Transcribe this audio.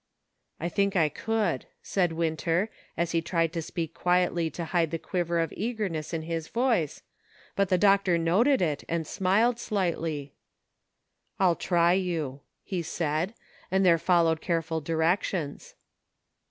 " I think I could," said Winter ; he tried to speak quietly to hide the quiver of eagerness in 238 PROGRESS. his voice, but the doctor noted it and smiled slightly. " I'll try you," he said, and there followed care ful directions.